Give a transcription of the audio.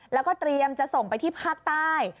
แล้วก็เตรียมจะส่งไปที่ภาคใต้